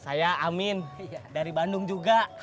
saya amin dari bandung juga